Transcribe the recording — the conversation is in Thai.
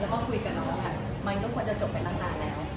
แล้วก็คุยกับน้องค่ะมันก็ควรจะจบไปตั้งนานแล้ว